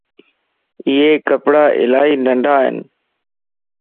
ايي ڪپڙا الائي ننڍان